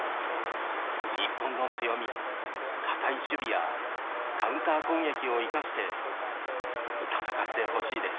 日本の強み、堅い守備やカウンター攻撃を生かして戦ってほしいです。